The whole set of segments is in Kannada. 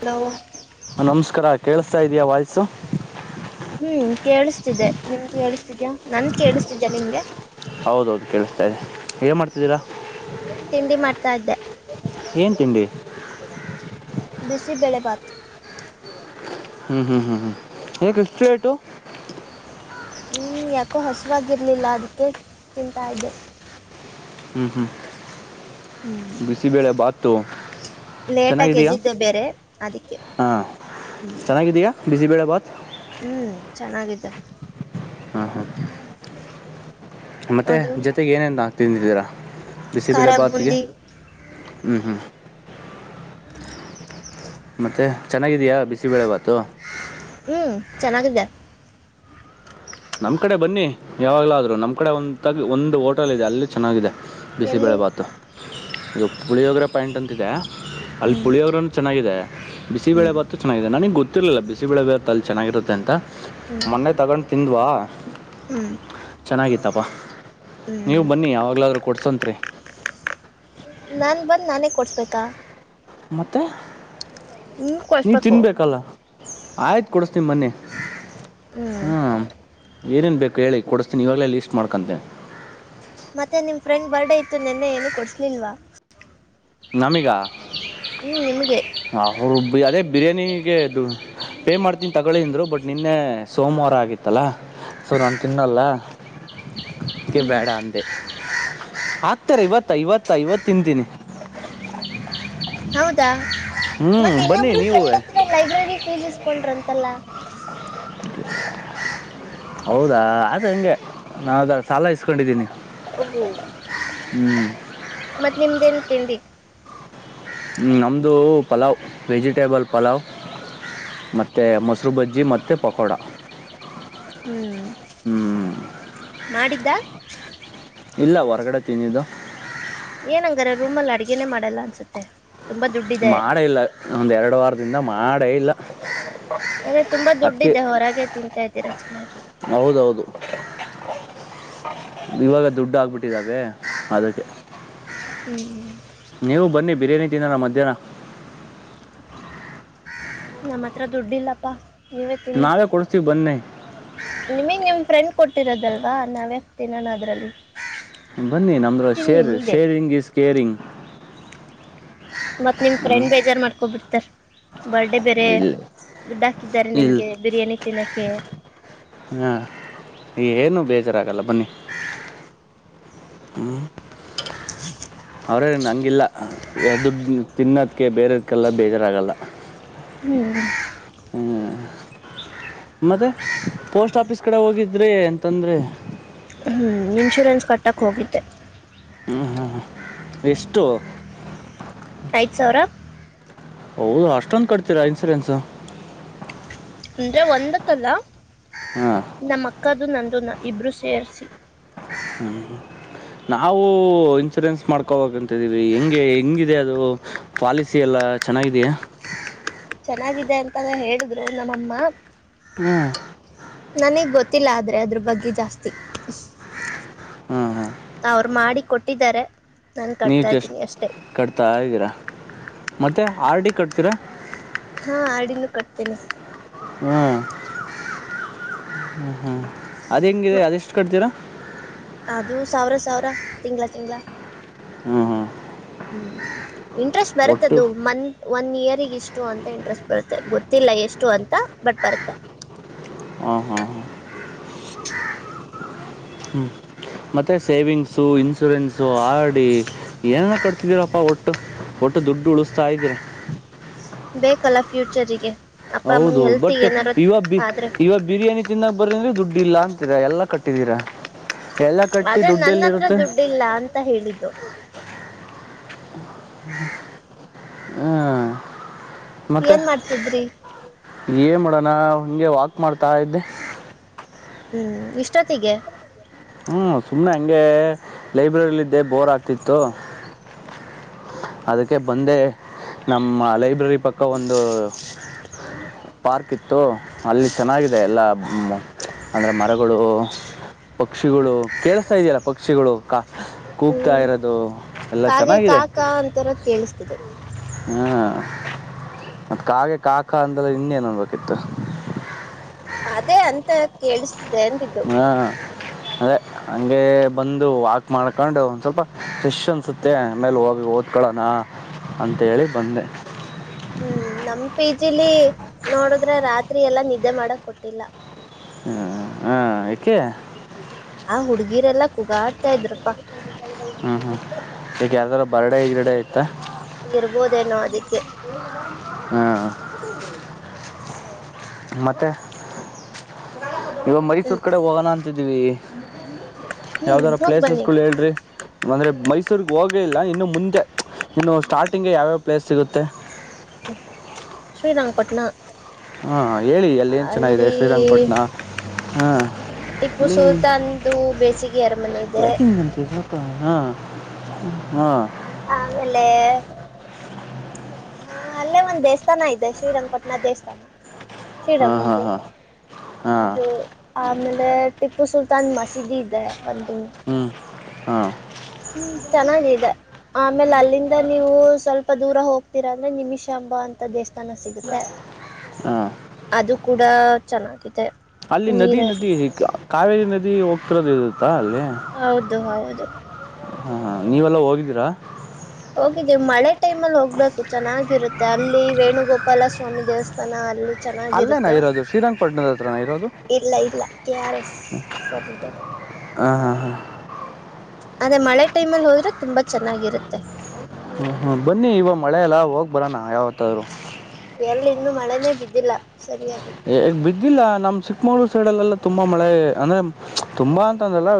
ಹಲೋ ನಮಸ್ಕಾರ ಕೇೇಳಿಸಸ್ತಾ ಇದಯಾ ವಾಯ್ಸು ಹ್ಮ್ ಕೇಳಿಸ್ತಿದ್ದೆ ನಿನ್ ಕೇಳಿಸ್ತಿದ್ಯಾ ನನ್ ಕೇಳಿಸ್ತಿದ್ಯಾ ನಿಮ್ಗೆ ಹೌದೌದು ಕೇಳಿಸ್ತಾದೆ ಏನು ಮಾಡ್ತಿದ್ದೀರಾ ತಿಂಡಿ ಮಾಡ್ತಾ ಇದ್ದೆ ಏನ್ ತಿಂಡಿ ಬಿಸಿ ಬೆಳೆ ಬಾತ್ ಹ್ಮ್ ಹ್ಮ್ ಹ್ಮ್ ಯಾಕೆ ಇಷ್ಟು ಲೇಟು ಹ್ಞೂ ಯಾಕೋ ಹಸುವಾಗಿರಲಿಲ್ಲ ಅದಕ್ಕೆ ತಿಂತ ಇ್ದದೆ ಹ್ಮ್ ಹ್ಮ್ ಹ್ಮ್ ಬಿಸಿಬೇಳೆ ಬಾತು ಲೇಟಾಗಿ ಚೆನ್ನಾಗಿದಯ ಎದ್ದಿದ್ದೆ ಬೇರೆ ಅದಕ್ಕೆ ಹಾ ಹ್ಮ್ ಚೆನ್ನಾಗಿದಯಾ ಬಿಸಿ ಬೇಳ ಬಾತ್ ಹ್ಮ್ ಚೆನ್ನಾಗಿದೆ ಹಾ ಹಾ ಹ ಮತ್ತು ಜೊತೆಗೆ ಏನೇನು ತಿಂದಿದ್ದೀರಾ ಖಾರ ಬಿಸಿಬೇಳೆ ಭಾತಿಗೆ ಬೂಂದಿ ಹ್ಞೂ ಹ್ಞೂ ಮತ್ ಚೆನ್ನಾಗಿದೆಯಾ ಬಿಸಿಬೇಳೆವಾತು ಹ್ಮ್ ಚೆನ್ನಾಗಿದೆ ನಮ್ಮ ಕಡೆ ಬನ್ನಿ ಯಾವಾಗಲಾದರೂ ನಮ್ಮ ಕಡೆ ಒಂತಾಗಿ ಒಂದು ಹೋಟೆಲ್ ಇದೆ ಅಲ್ಲಿ ಚೆನ್ನಾಗಿದೆ ಬಿಸಿಬಳೆ ಎಲ್ಲಿ ಭಾತು ಈಗ ಪುಳಿಯೋಗರ ಪಾಯಿಂಟ್ ಅಂತಿದೆ ಅಲ್ಲಿ ಹ್ಮ್ ಪುಳಿಯೋಗ್ರಂತ ಚೆನ್ನಾಗಿದೆ ಬಿಸಿಬಳೆ ಹ್ಮ್ ಬಾತು ಚೆನ್ನಾಗಿದೆ ನನಗೆ ಗೊತ್ತಿರಲಿಲ್ಲ ಬಿಸಿಬಳೆ ಭಾು ಅಲ್ಲಿ ಚೆನ್ನಾಗಿರುತ್ತೆ ಅಂತ ಹ್ಮ್ ಮೊನ್ನೆ ತಗೊಂಡು ತಿಂದುವಾ ಹ್ಮ್ ಚೆನ್ನಾಗಿತ್ತಪ್ಪ ನೀವು ಹ್ಮ್ ಬನ್ನಿ ಯಾವಾಗಲಾದ್ರೂ ಕೊಡ್ಸೋತ್ ರೀ ನಾನ್ ಬಂದ ನಾನೇ ಕೊಡ್ಸ್ಬೇಕಾ ಮತ್ತೆ ನೀನ್ ನೀ ಕೊಡಿಸ್ಬೇಕು ತಿನ್ಬೇಕಲ್ಲ ಆಯ್ತು ಕೊಡುಸ್ತೀನಿ ಬನ್ನಿ ಹ್ಮ್ ಏನೇನು ಬೇಕು ಕೊಸ್ತೀ ಇವಾಗಲೇ ಲಿಸ್ಟ್ ಮಾಡ್ಕಂತೆ ಮತ್ತೆ ನಿಮ್ಮ ಫ್ರೆಂಡ್ ಬರ್ಡೇ ಇತ್ತು ನಿನ್ನೆ ಏನುೂ ಕೊಡ್ಸ್ಲಿಲ್ವಾ ನಮಿಗ ಹ ನಿಮಗೆ [inaudible] ಹರು [unintelligible] ಅದೇ ಬಿರಿಯಾನಿಗೆದು ಪೇ ಮಾಡ್ತೀನಿ ತಗೊಳ್ಳಿಿಂದ್ರು ಬಟ್ ನಿನ್ನೆ ಸೋಮವಾರ ಆಗಿತ್ತಲ್ಲ ಸೊ ನಾನು ತಿನ್ನಲ್ಲ ಹ [unintelligible] ಅ ಬೇಡ ಅಂದೆ ಆಗ್ತಾರೆ ಇವತ್ತ ಐವತ್ತ ಐವತ್ತು ತಿಂತೀನಿ [inaudible] ಹೌದಾ ಹ್ಮ್ ಮತ್ತ ಬನ್ನಿ ಇನ್ನೊಬ್ಬರು ನೀವು ಫ್ರೆಂಡ್ ಹತ್ರ ಲೈಬ್ರರಿ ಫೀಸ್ ಇಸ್ಕೊಂಡ್ರ ಅಂತಲ್ಲಾ [inaudible] ಹೌದಾ ಅದ ಹಂಗೆ ನಾವದ [inaudible] ಸಾಲ ಇಸ್ಕೊಂಡಿದ್ದೀನಿ ಹ್ಞೂ [inaudible] ಮತ್ತತ್ ನಿಮ್ದೆನ್ ತಿಂಡಿ [inaudible] ನಮ್ಮದು ಪಲಾವ್ ವೆಜಿಟೇಬಲ್ ಪಲಾವ್ ಮತ್ತುತ್ತ ಮೊಸರು ಬಜ್ಜಿ ಮತ್ತು ಪಕೋಡ ಹ್ಮ್ ಹ್ಮ್ ಮಾಡಿದ್ದ ಇಲ್ಲ ಹೊರಗಡೆ ತನ್ನಿದ್ದು ಏನಂಗಾರ ರೂಮಲ್ಲಿ ಅಡ್ಗೆೇ ಮಾಡಲ್ಲ ಅನ್ಸುತ್ತೆ ತುಂಬ ದುಡ್ಡಿದೆ ಮಾಡೇ ಇಲ್ಲ ಒಂದುರಡು ವಾರದಿಂದ ಮಾಡೇ ಇಲ್ಲ ಅಂದ್ರೆ ತುಂಬಾ ಅದಕ್ಕೆ ದುಡ್ಡಿದೆ ಹೊರಗೆ ತಿಂತಾ ಇದ್ದೀರಾ ಚೆನ್ನಾಗಿ ಹೌದೌದು ಇವಾಗ ದುಡ್ಡು ಆಾಕ್ಬಿಟ್ಟಿದ್ದಾವೆ ಅದಕ್ಕೆ ಹ್ಞೂ ನೀವು ಬನ್ನಿ ಬಿರಿಯಾನಿ ತಿನ್ನೋಲ್ಲ ಮಧ್ಯಾಹ್ನ ನಮ್ಮ ಹತ್ರ ದುಡ್ಡಿಲ್ಲಪ್ಪಾ ನೀವೇ ತಿನ್ನಿ ನಾವೇ ಕೊಡಿಸ್ತೀವಿ ಬನ್ನಿ ನಿಮಗ್ ನಿಮ್ ಫ್ರೆಂಡ್ ಕೊಟ್ಟಿರೋದಲ್ವಾ ನಾವೆ ಹತ ನಾನ ಅದ್ರಲ್ಲಿ ಬನ್ನಿ ನಮ್ರ ಶೇರ್ ಶೇರಿಂಗ್ ಈಸ್ ಕೇರಿಂಗ್ ಮತ್ತತ್ ನಿಮ್ಫ್ರೆಂಡ್ ಬೇಜಾರ ಮಾಡ್ಕೋಬಿಡ್ತಾರ್ ಬರ್ಡೇ ಬೇರೆ ಇಲ್ಲ ದುಡ್ಡು ಹಾಕಿದ್ದಾರೆ ಇಲ್ ನಿಮ್ಗೆ ಬಿರಿಯಾನಿ ತಿನ್ನೋಕ್ಕೆಿ ಹಾಂ ಏನು ಬೇಜಾರಾಗಲ್ಲ ಬನ್ನಿ ಹಾ ಅವರೇ ನಂಗಿಲ್ಲ ಎದುಡು ತಿನ್ನೋದಕ್ಕೆ ಬೇರದಕ್ಕೆಲ್ಲ ಬೇಜಾರಾಗಲ್ಲ [unintelligible] ಹ್ಮ್ ಮತ್ತೆ ಪೋಸ್ಟ್ ಆಫೀಸ್ ಕಡೆ ಹೋಗಿದ್ರೆ ಅಂತಂದ್ರೆ ಹ್ಞೂ ಇನ್ಶೂರೆನ್ಸ್ ಕಟ್ಟಕ್ಕೆ ಹೋಗಿದ್ದೆ ಹ್ಮ್ ಹ್ಮ ಎಷ್ಟು ಐದು ಸಾವಿರ ಹೌದು ಅಷ್ಟೊಂದು ಕಟ್ತೀರಾ ಇನ್ಸೂರೆನ್ಸು ಅಂದ್ರೆ ಒಂದಕ್ಕಲ್ಲ ಹಾ ನಮ್ಮ ಅಕ್ಕದು ನಂದುನ್ನ ಇಬ್ರು ಸೇರಿಸಿ ಹ್ಮ್ ಹ್ಮ ನಾವವು ಇನ್ಸೂರೆನ್ಸ್ ಮಾಡ್ಕೋಂತಿದೀವಿ ಹೆಂಗೆ ಹೆಂಗಿದೆ ಅದು ಪಾಲಿಸಿ ಎಲ್ಲ ಚೆನ್ನಾಗಿದೆಯಾ ಚೆನ್ನಾಗಿದೆ ಅಂತಾನ ಹೇಳಿದ್ರು ನಮ್ಮಮ್ಮ ಹ್ಮ್ ನನಗ್ ಗೊತ್ತಿಲ್ಲ ಆದ್ರೆ ಅದ್ರ ಬಗ್ಗೆ ಜಾಸ್ತಿ ಹಾಂ ಹಾಂ ಅವ್ರು ಮಾಡಿ ಕೊಟ್ಟಿದ್ದಾರೆ ನಾನು ತಂದ ನೀವು ಕಟ್ತಾ ಜಸ್ಟ್ ಇದ್ದೀನಿ ಅಷ್ಟೇ ಕಟ್ತಾ ಇದ್ದೀರಾ ಮತ್ತೆ ಆರ್ ಡಿ ಕಟ್ತೀರಾ ಹಾ ಆರ್ ಡಿ ನು ಕಟ್ತೇನೀ ಹ್ಮ್ ಹ್ಮ್ ಅದ್ ಹೆಂಗೆ ಮ- ಅದೆಷ್ಟು ಕಟ್ತೀರಾ ಅದು ಸಾವಿರ ಸಾವಿರ ತಿಂಗಳ ತಿಂಗಳ ಹಾ ಹಾ ಹ್ಮ್ ಇಂಟ್ರೆಸ್ಟ್ ಒಟ್ಟು ಬರುತ್ತದು ಮನ್ ಒನ್ ಇಯರಿಗೆಷ್ಟು ಅಂತ ಇಂಟ್ರೆಸ್ಟ್ ಬರುತ್ತೆ ಗೊತ್ತಿಲ್ಲ ಎಷ್ಟು ಅಂತ ಬಟ್ ಬರುತ್ತೆ ಹ ಹಾ ಹಾ ಹ್ಞೂ ಮತ್ತೆ ಸೇವಿಂಗ್ಸು ಇನ್ಶೂರೆನ್ಸು ಆರ್ ಡಿ ಏನನ ಕಟ್ತಿದೀರಪ್ಪಾ ಒಟ್ಟು ಒಟ್ಟು ದುಡ್ಡು ಉಳಸ್ತಾ ಇದ್ದೀರಾ. ಬೇಕಲ್ಲ ಫ್ಯೂಚರಿಗೆ ಅಪ್ಪ ಹೌದು ಅಮ್ಮಂಗೆ ಬಟ್ ಹೆಲ್ತಿಗೆ ಏನಾರ ಇವಾಗ ಬಿ ಆದರೆ ಇವ ಬಿರಿಯಾನಿ ತಿನ್ನಾಕ ಬರೀಂದ್ರೆ ದುಡ್ ಇಲ್ಲ ಅಂತಿರ ಎಲ್ಲಾ ಕಟ್ಟಿದೀರ ಎಲ್ಲಾ ಕಟ್ಟಿ ಅದೇ ದುಡ್ಡು ನನ್ನ ಎಲ್ಲಿ ಹತ್ರ ಇರುತ್ತೆ. ದುಡ್ಡಿಲ್ಲ ಅಂತ ಹೇಳಿದ್ದು ಹ್ಮ್ ಏನು ಮಾಡ್ತಿದ್ರಿ ಏನು ಮಾಡಣ ಹಂಗೆ ವಾಕ್ ಮಾಡ್ತ ಇದ್ದೆ. ಹ್ಮ್ ಇಷ್ಟೊತ್ತಿಗೆ ಹ್ಞ ಸುಮ್ಮನೆ ಹಂಗೆ ಲೈಬ್ರರಿಲ್ಲಿದ್ದೇ ಬೋರ್ ಆಗ್ತಿತ್ತು ಅದಕ್ಕೆ ಬಂದೆ ನಮ್ಮ ಲೈಬ್ರರಿ ಪಕ್ಕ ಒಂದು ಪಾರ್ಕ್ ಇತ್ತು ಅಲ್ಲಿ ಚೆನ್ನಾಗಿದೆ ಎಲ್ಲಾ ಮ ಅಂದರೆ ಮರಗಳು ಪಕ್ಷಿಗಳು ಕೆಳಸತಾ ಇದಿಯಾ ಪಕ್ಷಿಗಳು ಕಾ ಕೂಗ್ತಾ ಹ್ಮ್ ಇರೋದು ಎಲ್ಲ ಕಾಗೆ ಕಾ ಚೆನ್ನಾಗಿದೆ. ಕಾ ಅಂತರ ಕೇಳಿಸ್ತಿದೆ. ಹ್ಮ್ ಮತ್ ಕಾಗೆ ಕಾಕ ಅಂದಲ್ಲ ಇನ್ನೇನ್ಡ್ಬೇಕಿತ್ತು. ಅದೇ ಅಂತ ಕೇಳಸ [inaudible] ಹಾಂ ಅದೇ ಹಂಗೆ ಬಂದು ವಾಕ್ ಮಾಡ್ಕೊಂಡು ಒಂದ್ ಸ್ವಲ್ಪ ಫ್ರೆಶ್ ಅನ್ಸುತ್ತೆ ಆಮೇಲೆ ಹೋಗಿ ಓದಕಳನ್ ಅಂತೇಳಿ ಬಂದೆ ಹ್ಮ ನಮ್ ಪಿ ಜಿಲಿ ನೋಡದ್ರೆ ರಾತ್ರಿ ಎಲ್ಲಾ ನಿದ್ದೆ ಮಾಡಕ್ ಕೊಟ್ಟಿಲ್ಲ. ಹ ಹಾ ಯಾಕೆ ಆ ಹುಡುಗೀರೆಲ್ಲ ಕೂಗಾಡ್ತಾ ಇದ್ರಪ್ಪಾ ಹ್ಮ್ ಹ್ಮ್ ಈಗ ಯಾರದಾರ ಬರ್ಡೆ ಈ್ರಡೆ ಇತ್ತ ಇರ್ಬೋದೇನೋ ಅದಕ್ಕೆ ಹ್ಮ್ ಮತ್ತೆ ಇವಾಗ ಮೈಸೂರು ಹ್ಮ್ ಕಡೆ ಹೋಗೋಣ ಅಂತಿದ್ದೀವಿ. ಹ್ಮ್ ಯಾವ್ದಾರ ಹೋಗ್ ಪ್ಲೇಸಸ್ ಬನ್ನಿ ಗಳು ಹೇಳ್ರಿ ಅಂದ್ರೆ ಮೈಸೂರ್ಗ್ ಹೋಗ ಇಲ್ಲ ಇನ್ನು ಮುಂಂದೆ ಇನ್ನು ಸ್ಟಾರ್ಟಿಂಗ್ಗೆ ಯಾವ್ಯಾವ ಪ್ಲೇಸ್ ಸಿಗುತ್ತೆ. ಶ್ರೀರಂಗಪಟ್ನಾ ಹಾ ಹೇಳಿ ಎಲ್ಲಿ ಏನ ಚೆನ್ನಾಗಿದೆ ಶ್ರೀರಂಗಪಟ್ಟಣ ಹಾ ಟಿಪ್ಪು ಹ ಸುಲ್ತಾನ್ದು ಬೇಸಿಗೆ ಅರಮನೆ ಇದೆ [unintelligible] ಹಾಂ ಹಾಂ ಆಮೇಲೆ ಹ ಅಲ್ಲೇ ಒಂದ್ ದೇವಸ್ಥಾನ ಇದೆ ಶ್ರೀರಂಗಪಟ್ಟಣ ದೇವಸ್ಥಾನ ಶೀ ಹಾಂ ರಂಗುಂಧು ಹಾಂ ಹಾಂ ಹಾಂ ಅದು ಆಮೇಲೆ ಟಿಪ್ಪು ಸುಲ್ತಾನ್ ಮಸೀದಿ ಇದೆ ಒಂದು ಹ್ಮ್ ಹ್ಮ್ ಚೆನ್ನಾಗಿದೆ ಆಮೇಲೆ ಅಲ್ಲಿಂದ ನೀವು ಸ್ವಲ್ಪ ದೂರ ಹೋಗ್ತೀರ ಅಂದ್ರೆ ನಿಮಿಷಾಂಬ ಅಂತ ದೇವಸ್ಥಾನ ಸಿಗುತ್ತೆ ಹಾಂ ಅದು ಕೂಡ ಚೆನ್ನಾಗಿದೆ ಅಲ್ಲಿ ನದಿ ನದಿ ನೀರಿರುತ್ತೆ ಕ ಕಾವೇರಿ ನದಿ ಹೋಗ್ತಿರೋದ ಇರುತ್ತಾ ಅಲ್ಲಿ ಹೌದು ಹೌದು ಹಾ ಹಾ ನೀವೆಲ್ಲಾ ಹೋಗಿದ್ದೀರಾ ಹೋಗಿದ್ದೀವಿ ಮಳೆ ಟೈಮಲ್ಲಿ ಹೋಗ್ಬೇಕು ಚೆನ್ನಾಗಿರುತ್ತೆ ಅಲ್ಲಿ ವೇಣುಗೋಪಾಲ ಸ್ವಾಮಿ ದೇವಸ್ಥಾನ ಅಲ್ಲಿ ಅಲ್ಲೇನಾ ಚೆನ್ನಾಗಿರುತ್ತೆ ಇರೋದು ಶ್ರೀರಂಗಪಟ್ಟಣದ ಹತ್ರನಾ ಇರೋದು ಇಲ್ಲ ಇಲ್ಲ ಕೆ ಆರ್ ಎಸ್ ಸರಿಬೈ ಹಾ ಹಾ ಅದೇ ಮಳೆ ಟೈಮಲ್ಲಿ ಹೋದ್ರೆ ತುಂಬಾ ಚೆನ್ನಾಗಿರುತ್ತೆ ಹ್ಮ ಹ್ಮ್ ಬನ್ನಿ ಇವ ಮಳೆ ಎಲ್ಲಾ ಹೋಗ್ ಬರ ನಾ ಯಾವತ್ತಾದರು ಎಲ್ಲಿ ಇನ್ನುೂ ಮಳೆನೇ ಬಿದ್ದಿಲ್ಲ ಸರಿಯಾಗಿ ಎ ಬಿದ್ದಿಲ್ಲ ನಮ್ಮ್ ಚಿಕ್ಕಮಗ್್ಳೂರು ಸೈಡ್ಲ್ಲೆಲ್ಲ ತುಂಬಾ ಮಳೆ ಅಂದ್ರೆ ತುಂಬಾ ಅಂತ ಅಂದ್ರಲ್ಲ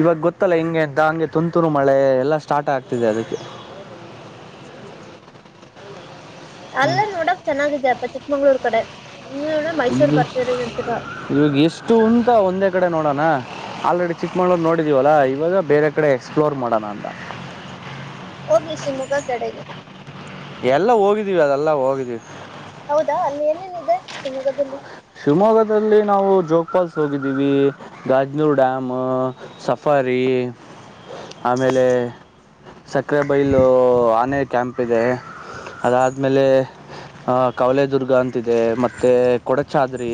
ಇವಾಗ ಗೊತ್ತಲ್ಲ ಹಿಂಗೆ ಎಂತ ಹಂಗೆ ತುಂತುರು ಮಳೆ ಎಲ್ಲಾ ಸ್ಟಾರ್ಟ್ ಆಗ್ತಿದೆ ಅದಕ್ಕೆ ಹ್ಮ್ ಅಲ್ಲೇ ನೋಡಕ್ ಚೆನ್ನಾಗಿದ್ಯಪ್ಪ ಚಿಕ್ಕಮಂಗ್ಳೂರ್ ಕಡೆ [unintelligible] ಮೈಸೂರು ಇಲ್ಲಿ ಬರ್ತರಂತ ಇವಾಗ ಎಷ್ಟುಉಂತಾ ಒಂದೇ ಕಡೆ ನೋಡಣ ಆಲ್ರೆಡಿ ಚಿಕ್ಕಮ್ಳೂರ್ ನೋಡಿದಿವಲ್ಲ ಇವಾಗ ಬೇರೆ ಕಡೆ ಎಕ್ಸ್ಪ್ಲೋರ್ ಮಾಡಣ ಅಂತ ಹೋಗಿ ಶಿವಮೊಗ್ಗ ಕಡೆಗೆ ಎಲ್ಲ ಹೋಗಿದ್ವಿ ಅದೆಲ್ಲ ಹೋಗಿದೀವಿ ಹೌದಾ ಅಲ್ಲಿ ಏನೇನಿದೆ ಶಿವಮೊಗ್ಗದಲ್ಲಿ ಶಿವಮೊಗ್ಗದಲ್ಲಿ ನಾವು ಜೋಗ ಪಾಲ್ಸ್ ಹೋಗಿದ್ದೀವಿ ಗಾಜ, ನೂರು ಡ್ಯಾಮ್ ಸಫಾರಿ ಆಮೇಲೆ, ಸಕ್ಕರೆ ಬೈಲು ಆನೆ ಕ್ಯಾಂಪ್ ಇದೆ. ಅದಾದ್ಮೇಲೆ ಅ ಕವಲೆದುರ್ಗ ಅಂತಿದೆ ಮತ್ತೆ ಕೊಡ, ಅರಿ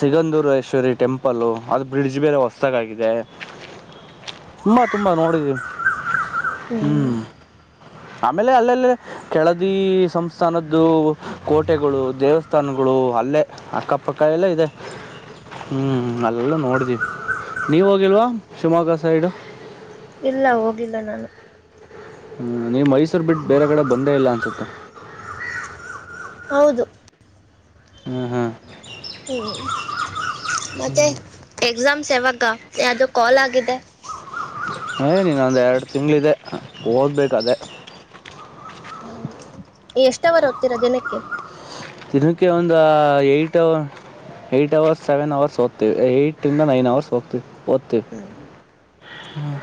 ಸಿಗಂಧೂರೇಶ್ವರಿ ಟೆಂಪಲ್ಲ ಅದು ಬ್ರಿಡ್ಜ್ ಬೇರೆ ಹೊಸತಾಗಾಗಿದೆ. ತುಂಬಾ ತುಂಬಾ ನೋಡಿದಿವಿ ಹ್ಮ್ ಆಮೇಲೆ ಅಲ್ಲೆಲ್ಲ, ಕೆಳದಿ ಸಂಸ್ಥಾನದ್ದು ಕೋಟೆಗಳು ದೇವಸ್ಥಾನ ಗಳು ಅಲ್ಲೇ ಅಕ್ಕಪಕ್ಕ ಎಲ್ಲ ಇದೆ. ಹ್ಮ್ ಅಲ್ಲಲ್ಲ ನೋಡ್ದಿ ನೀವ ಹೋಗಿಲ್ವಾ ಶಿವಮೊಗ್ಗ ಸೈಡ್, ಇಲ್ಲ ಹೋಗಿಲ್ಲ ನಾನು ಹ್ಮ ನೀವು ಮೈಸೂರ್ ಬಿಟ್ಟು ಬೇರೆ ಕಡೆ ಬಂದೇ ಇಲ್ಲ ಅನ್ಸುತ್ತೆ ಹೌದು ಹ್ಮ್ ಹ್ಮ್ ಹ್ಮ ಮತ್ತೆ ಎಕ್ಸಾಮ್ಸ್ ಯಾವಾಗ ಯಾವುದು ಕಾಲ್ ಆಗಿದೆ ಏ ನೀನ್ನೊಂದು ಎರಡು ತಿಂಗಳಿದೆ ಓದ್ಬೇಕು ಅದೇ ಎಷ್ಟವರ ಓದ್ತೀರಾ ದಿನಕ್ಕೆ, ದಿನಕ್ಕೆ ಒಂದು ಏಟ್ ಅ ಏಟ್ ಹ ಅವರ್ಸ್ ಸೆವೆನ್ ಅವರ್ಸ್ ಓದ್ತೀವಿ ಏಟ್ಂದ ನೈನ್ ಅವರ್ ಓದ್ತೀವಿ ಓದ್ತೀವಿ, ಹ್ಮ್ ಹ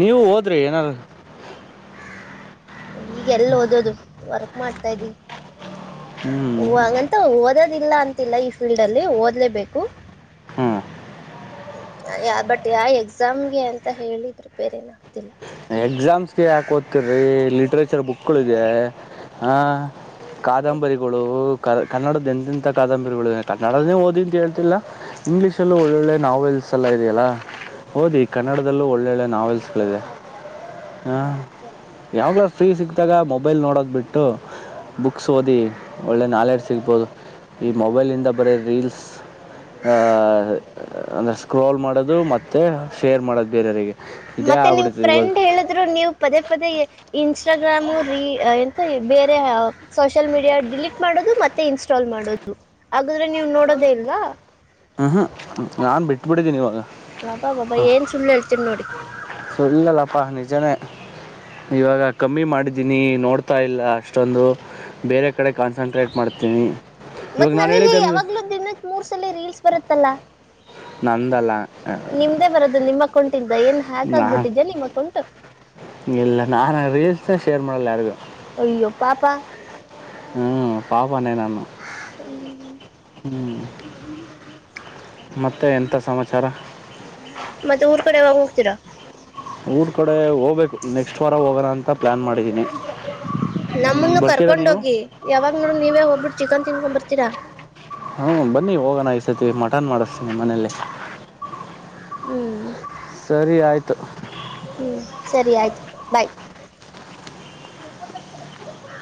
ನೀವು ಹೋದ್ರಿ ಏನಾರ, ಈಗೆ ಎಲ್ಲ ಓದೋದು ವರ್ಕ್ ಮಾಡ್ತಾ ಇದ್ದೀ ಹ್ಞೂ ಹೂಂಗಂತ, ಓದೋದಿಲ್ಲ ಅಂತಿಲ್ಲ ಈ ಫೀಲ್ಡ್ ಅಲ್ಲಿ ಓದ್ಲೇಬೇಕು. ಹ್ಮ್ ಬಟ್ ಯಾವ ಎಕ್ಸಾಮ್ಗೆ ಅಂತ ಹೇಳಿ ಪ್ರಿಪೇರ್ ಏನುಾಗಗ್ತಿಲ್ಲ. ಎಕ್ಸಾಮ್ಸ್ಗೆ ಯಾಕೆ ಓದ್ತಿರೀ ಲಿಟ್ರೇಚರ್ ಬುಕ್ಗಳಿದೆ ಹಾ, ಕಾದಂಬರಿಗಳು ಕ ಕನ್ನಡದ ಎಂತಂಥ ಕಾದಂಬರಿಗಳು ಕನ್ನಡನೇ ಓದಿ ಅಂತ ಹೇಳ್ತಿಲ್ಲ. ಇಂಗ್ಲಿಷ್ಲ್ ಒಳ್ಳೊಳ್ಳೆ ನಾವೆಲ್ಸ್ ಎಲ್ಲ ಇದೆಯಲ್ಲಾ ಹಓದಿ ಕನ್ನಡದಲ್ಲೂ ಒಳ್ಳೊಳ್ಳೆ ನಾವೆಲ್ಸ್ಗಳಿದೆ. ಹಾ ಯಾವಾಗಲ ಫ್ರೀ ಸಿಗಿದಾಗ ಮೊಬೈಲ್ ನೋಡೋದು ಬಿಟ್ಟು, ಬುಕ್ಸ್ ಓದಿ ಒಳ್ಳೆ ನಾಲೆಡ್ಜ್ ಸಿಗ್ಬೋದು. ಈ ಮೊಬೈಲಿಂದ ಬರೀ ರೀಲ್ಸ್ ಅಂದರೆ ಸ್ಕ್ರೋಲ್ ಮಾಡೋದು ಮತ್ತೆ ಶೇರ್ ಮಾಡೋದು ಬೇರೆಯವರಿಗೆ, ಇದೇ ಮತ್ತೆ ನಿಮ್ ಆಗ್ಬಿಡುತ್ತೆ ಇವಾಗ ದ್ರೂ ನೀವು ಪದೇ ಪದೇ ಇನ್ಸ್ಟಾಗ್ರಾಮು ರೀ ಎಂತ ಬೇರೆ, ಸೋಷಿಯಲ್ ಮೀಡಿಯಾ ಡಿಲೀಟ್ ಮಾಡೋದು ಮತ್ತೆ ಇನ್ಸ್ಟಾಲ್ ಮಾಡೋದು ಹಾಗಾದ್ರೆ ನೀವ್ ನೋಡೋದೇ ಇಲ್ವಾ. ಹ್ಮ್ ಹ್ಮ್ ನಾನ್ ಬಿಟ್ಟಟ್ಬಿಡಿದ್ದೀನಿ ಇವಾಗ ಲಬಾ ಬಾಬ ಏನ್ ಸುಳ್ಳ ಹೇಳ್ತೀರಿ ನೋಡಿ. ಸುಳ್ಳಲ್ಲಪ್ಪ ನಿಜನೇ. ಇವಾಗ ಕಮ್ಮಿ ಮಾಡಿದ್ದೀನಿ ನೋಡ್ತಾ ಇಲ್ಲ ಅಷ್ಟೊಂದು, ಬೇರೆ ಕಡೆ ಕಾನ್ಸಂಟ್ರೇಟ್ ಮಾಡ್ತೀವಿ. ಮತ್ ನನಗೆ ಯಾವಾಗ್ಲೂ ದಿನಕ್ಕೆ ಮೂರ್ ಸಲ ರೀಲ್ಸ್ ಬರುತ್ತಲ್ಲಾ. ನಂದಲ್ಲ ನಿಮ್ದೇ ಬರೋದು ನಿಮ್ಮ ಅಕ್ಕೌಂಟಿಂದ ಏನ್ ಹ್ಯಾಕ್ ನಾ ಆಗ್ಬಿಟ್ಟಿದ್ಯಾ ನಿಮ್ಮ ಅಕೌಂಟ್, ಇಲ್ಲ ನಾನ ರೀಲ್ಸ್ ಶೇರ್ ಮಾಡಲ್ಲ ಯಾರಿಗೂ ಅಯ್ಯೋ ಪಾಪಾ ಹ್ಮ್ ಪಾಪನ್ನೇನಾನು ಹ್ಮ್ ಮತ್ತೆ ಎಂಥ ಸಮಾಚಾರ, ಮತ್ತೆ ಊರ್ ಕಡೆ ಯವಾಗ ಹೋಗ್ತೀರಾ ಊರ ಕಡೆ ಹೋಗ್ಬೇಕು ನೆಕ್ಸ್ಟ್ ವಾರ ಹೋಗೋಣ ಅಂತ ಪ್ಲ್ಯಾನ್ ಮಾಡಿದ್ದೀನಿ ಹ್ಮ್, ನಮ್ಮನ್ನು ಬರ್ತೀರಾ ನೀವು ಕರ್ಕೊಂಡೋಗಿ ಯಾವಾಗ ನೋಡ ನೀವೇ ಹೋಗ್ಬಿಟ್ಟು ಚಿಕನ್ ತಿನ್ಕೊಂಡ್ ಬರ್ತೀರಾ ಹ್ಮ್ ಬನ್ನಿ ಹೋಗಣಾಗ್ಸತಿ ಮಠಾನ್ ಮಾಡಿಸ್ತೀನಿ ಮನೇೆಯಲ್ಲಿ ಹ್ಮ್ ಸರಿ ಆಯಿತು ಹ್ಮ್ ಸರಿ ಆಯ್ತು ಬಾಯ್